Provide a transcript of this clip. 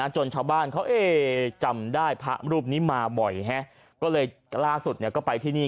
จนชาวบ้านเขาจำได้พระรูปนี้มาบ่อยก็เลยล่าสุดก็ไปที่นี่